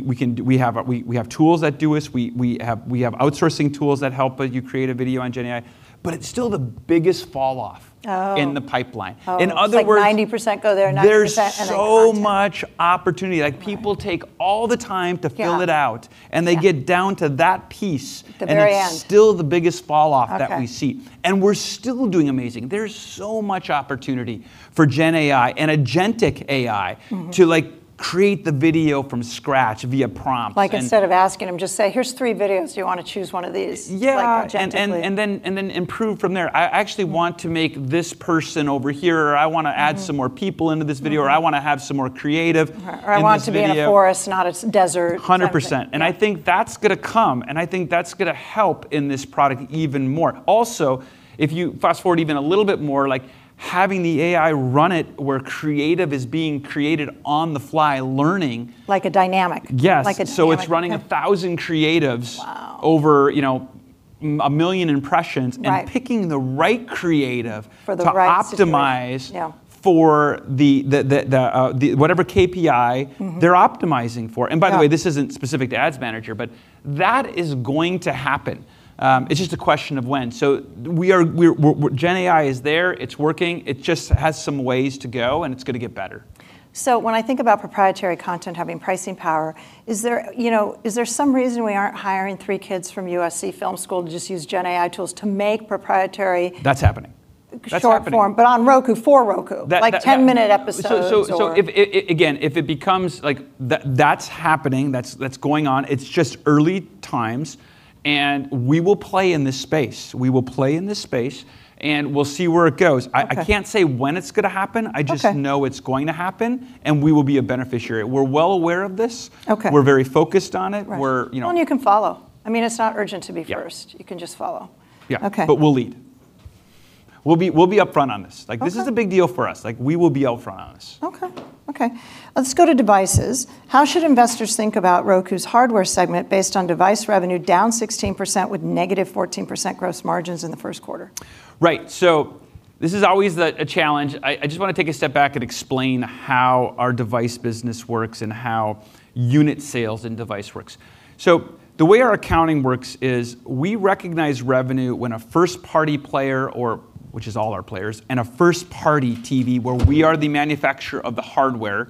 [SPEAKER 2] have tools that do this. We have outsourcing tools that help you create a video on gen AI. It's still the biggest fall off in the pipeline. In other words-
[SPEAKER 1] Like 90% go there, 90%. They can't
[SPEAKER 2] There's so much opportunity.
[SPEAKER 1] Okay.
[SPEAKER 2] Like people take all the time to fill it out.
[SPEAKER 1] Yeah.
[SPEAKER 2] They get down to that piece.
[SPEAKER 1] The very end.
[SPEAKER 2] It's still the biggest fall off that we see.
[SPEAKER 1] Okay.
[SPEAKER 2] We're still doing amazing. There's so much opportunity for Gen AI and agentic AI to, like create the video from scratch via prompts.
[SPEAKER 1] Like instead of asking them, just say, "Here's three videos. Do you want to choose one of these?
[SPEAKER 2] Yeah.
[SPEAKER 1] Like agentically.
[SPEAKER 2] Then improve from there. I actually want to make this person over here, or I want to. some more people into this video- or I want to have some more.
[SPEAKER 1] Right
[SPEAKER 2] In this video.
[SPEAKER 1] I want it to be in a forest, not a desert type thing.
[SPEAKER 2] 100%.
[SPEAKER 1] Yeah.
[SPEAKER 2] I think that's gonna come, and I think that's gonna help in this product even more. Also, if you fast-forward even a little bit more, like having the AI run it where creative is being created on the fly learning.
[SPEAKER 1] Like a dynamic.
[SPEAKER 2] Yes.
[SPEAKER 1] Like a dynamic.
[SPEAKER 2] It's running 1,000 creatives.
[SPEAKER 1] Wow.
[SPEAKER 2] Over, you know, $1 million impressions.
[SPEAKER 1] Right.
[SPEAKER 2] And picking the right creative-
[SPEAKER 1] For the right situation.
[SPEAKER 2] To optimize-
[SPEAKER 1] Yeah.
[SPEAKER 2] For the, whatever KPI. They're optimizing for.
[SPEAKER 1] Yeah.
[SPEAKER 2] By the way, this isn't specific to Ads Manager, but that is going to happen. It's just a question of when. Gen AI is there, it's working. It just has some ways to go and it's gonna get better.
[SPEAKER 1] When I think about proprietary content having pricing power, is there, you know, is there some reason we aren't hiring three kids from USC School of Cinematic Arts to just use gen AI tools to make proprietary.
[SPEAKER 2] That's happening.
[SPEAKER 1] Short form, but on Roku, for Roku. Like 10-minute episodes?
[SPEAKER 2] If again, if it becomes Like that's happening, that's going on. It's just early times, we will play in this space. We will play in this space, we'll see where it goes.
[SPEAKER 1] Okay.
[SPEAKER 2] I can't say when it's gonna happen.
[SPEAKER 1] Okay.
[SPEAKER 2] I just know it's going to happen, and we will be a beneficiary. We're well aware of this.
[SPEAKER 1] Okay.
[SPEAKER 2] We're very focused on it.
[SPEAKER 1] Right.
[SPEAKER 2] We're, you know-
[SPEAKER 1] Well, you can follow. I mean, it's not urgent to be first.
[SPEAKER 2] Yeah.
[SPEAKER 1] You can just follow.
[SPEAKER 2] Yeah.
[SPEAKER 1] Okay.
[SPEAKER 2] We'll lead. We'll be upfront on this.
[SPEAKER 1] Okay.
[SPEAKER 2] Like this is a big deal for us. Like, we will be out front on this.
[SPEAKER 1] Okay. Okay. Let's go to devices. How should investors think about Roku's hardware segment based on device revenue down 16% with -14% gross margins in the first quarter?
[SPEAKER 2] Right. This is always a challenge. I just want to take a step back and explain how our device business works and how unit sales and device works. The way our accounting works is we recognize revenue when a 1P player or, which is all our players, and a 1P TV where we are the manufacturer of the hardware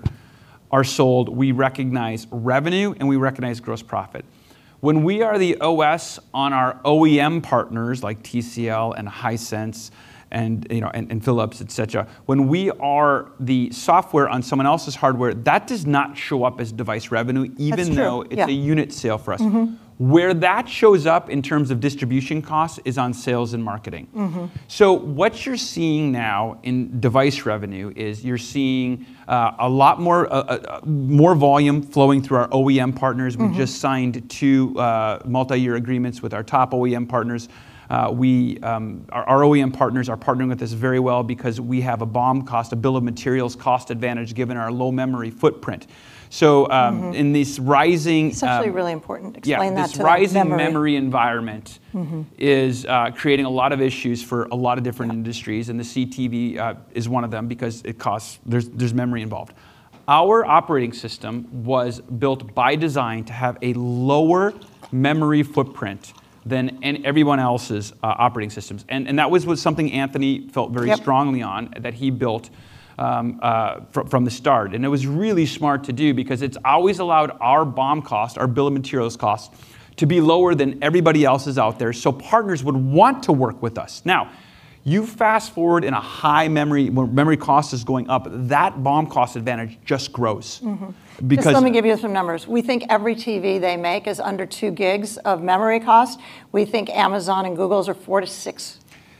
[SPEAKER 2] are sold. We recognize revenue and we recognize gross profit. When we are the OS on our OEM partners like TCL and Hisense and, you know, Philips, et cetera, when we are the software on someone else's hardware, that does not show up as device revenue even though-
[SPEAKER 1] That's true. Yeah.
[SPEAKER 2] It's a unit sale for us. Where that shows up in terms of distribution costs is on sales and marketing. What you're seeing now in device revenue is you're seeing a lot more volume flowing through our OEM partners. We just signed two multi-year agreements with our top OEM partners. Our OEM partners are partnering with us very well because we have a BOM cost, a bill of materials cost advantage given our low memory footprint in this rising,
[SPEAKER 1] It's actually really important.
[SPEAKER 2] Yeah.
[SPEAKER 1] Explain that to memory.
[SPEAKER 2] This rising memory environment. Is, creating a lot of issues for a lot of different industries.
[SPEAKER 1] Yeah.
[SPEAKER 2] The CTV is one of them because There's memory involved. Our operating system was built by design to have a lower memory footprint than everyone else's operating systems. That was something Anthony felt very strongly.
[SPEAKER 1] Yep.
[SPEAKER 2] That he built from the start. It was really smart to do because it's always allowed our BOM cost, our bill of materials cost, to be lower than everybody else's out there, so partners would want to work with us. You fast-forward in a high memory, where memory cost is going up, that BOM cost advantage just grows. Because-
[SPEAKER 1] Just let me give you some numbers. We think every TV they make is under 2 gigs of memory cost. We think Amazon and Google's are 4-6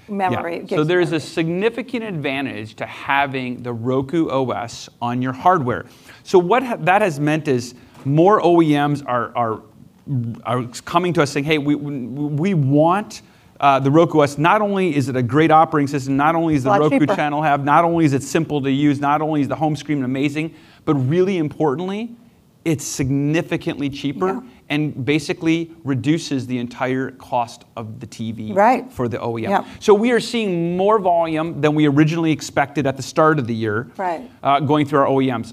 [SPEAKER 1] memory.
[SPEAKER 2] Yeah.
[SPEAKER 1] Gigs of memory.
[SPEAKER 2] There's a significant advantage to having the Roku OS on your hardware. What that has meant is more OEMs are coming to us saying, "Hey, we want the Roku OS." Not only is it a great operating system, not only is The Roku-
[SPEAKER 1] Lot cheaper.
[SPEAKER 2] Channel have, not only is it simple to use, not only is the home screen amazing, but really importantly, it's significantly cheaper.
[SPEAKER 1] Yeah.
[SPEAKER 2] Basically reduces the entire cost of the TV.
[SPEAKER 1] Right.
[SPEAKER 2] For the OEM.
[SPEAKER 1] Yeah.
[SPEAKER 2] We are seeing more volume than we originally expected at the start of the year.
[SPEAKER 1] Right.
[SPEAKER 2] Going through our OEMs.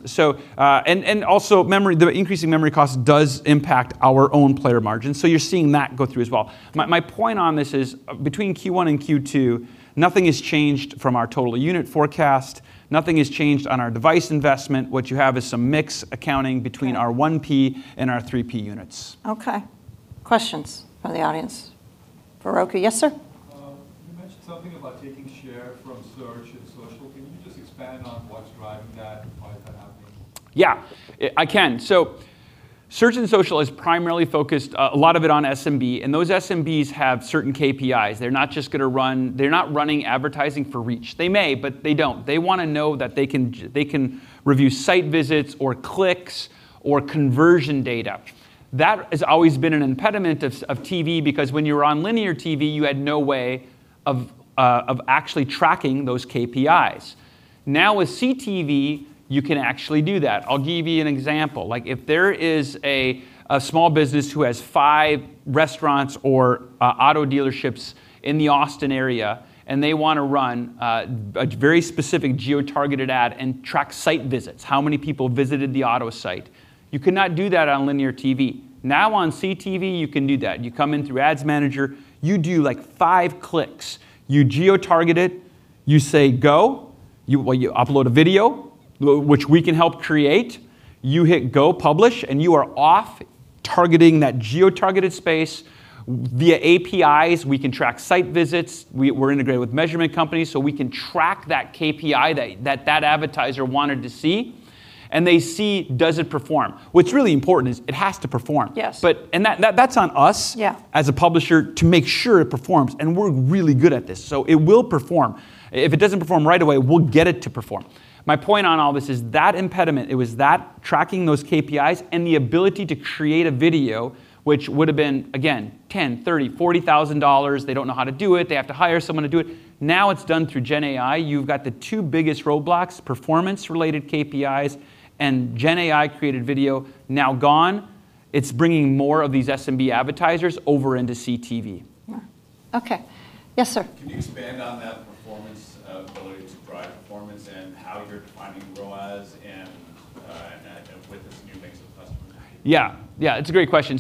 [SPEAKER 2] Also memory, the increasing memory cost does impact our own player margins, so you're seeing that go through as well. My point on this is between Q1 and Q2 nothing has changed from our total unit forecast. Nothing has changed on our device investment. What you have is some mix accounting between.
[SPEAKER 1] Yeah.
[SPEAKER 2] Our 1P and our 3P units.
[SPEAKER 1] Okay. Questions from the audience for Roku? Yes, sir.
[SPEAKER 3] You mentioned something about taking share from search and social. Can you just expand on what's driving that? Why is that happening?
[SPEAKER 2] Yeah, I can. Search and social is primarily focused a lot of it on SMB, and those SMBs have certain KPIs. They're not running advertising for reach. They may, but they don't. They wanna know that they can review site visits or clicks or conversion data. That has always been an impediment of TV because when you're on linear TV you had no way of actually tracking those KPIs. Now, with CTV, you can actually do that. I'll give you an example. Like, if there is a small business who has 5 restaurants or auto dealerships in the Austin area and they wanna run a very specific geo-targeted ad and track site visits, how many people visited the auto site, you cannot do that on linear TV. Now, on CTV, you can do that. You come in through Roku Ads Manager, you do, like, five clicks. You geo-target it, you say go, you upload a video, which we can help create. You hit go publish, you are off targeting that geo-targeted space. Via APIs, we can track site visits. We're integrated with measurement companies, we can track that KPI that advertiser wanted to see, they see does it perform. What's really important is it has to perform.
[SPEAKER 1] Yes.
[SPEAKER 2] That's on us as a publisher to make sure it performs, we're really good at this. It will perform. If it doesn't perform right away, we'll get it to perform. My point on all this is that impediment, it was that, tracking those KPIs, the ability to create a video which would've been, again, $10,000, $30,000, $40,000. They don't know how to do it. They have to hire someone to do it. Now, it's done through Gen AI. You've got the two biggest roadblocks, performance-related KPIs and Gen AI-created video now gone. It's bringing more of these SMB advertisers over into CTV. Yeah. Okay. Yes, sir?
[SPEAKER 3] Can you expand on that performance, ability to drive performance and how you're defining ROAS and with this new mix of customers?
[SPEAKER 2] Yeah. Yeah, it's a great question.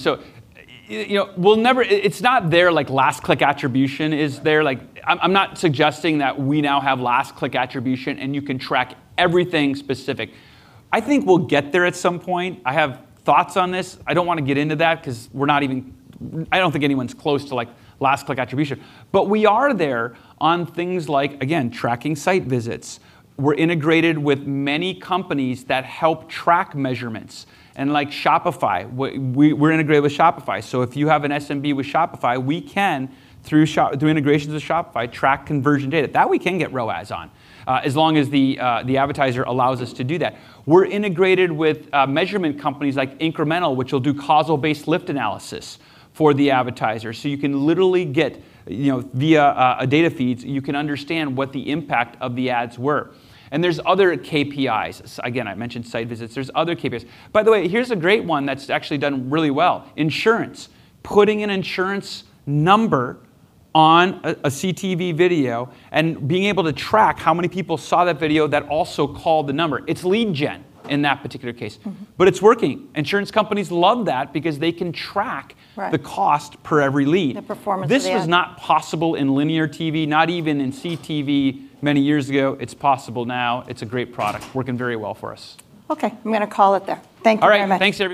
[SPEAKER 2] You know, we'll never it's not there, like last click attribution is there. Like, I'm not suggesting that we now have last click attribution and you can track everything specific. I think we'll get there at some point. I have thoughts on this. I don't wanna get into that 'cause we're not even I don't think anyone's close to, like, last click attribution. We are there on things like, again, tracking site visits. We're integrated with many companies that help track measurements. Like Shopify, we're integrated with Shopify. If you have an SMB with Shopify, we can, through integrations with Shopify, track conversion data. That we can get ROAS on, as long as the advertiser allows us to do that. We're integrated with measurement companies like INCRMNTAL, which will do causal-based lift analysis for the advertiser. You can literally get, you know, via data feeds, you can understand what the impact of the ads were. There's other KPIs. Again, I mentioned site visits. There's other KPIs. By the way, here's a great one that's actually done really well. Insurance. Putting an insurance number on a CTV video and being able to track how many people saw that video that also called the number. It's lead gen in that particular case. It's working. Insurance companies love that because they can track the cost per every lead.
[SPEAKER 4] The performance of the ad.
[SPEAKER 2] This was not possible in linear TV, not even in CTV many years ago. It's possible now. It's a great product. Working very well for us.
[SPEAKER 4] Okay.I'm gonna call it there. Thank you very much.
[SPEAKER 2] All right. Thanks, everyone.